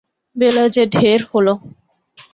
বেলা যে ঢের হল।